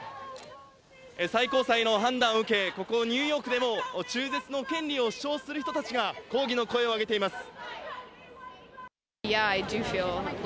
最高裁の判断を受け、ここニューヨークでも中絶の権利を主張する人たちが、抗議の声を上げています。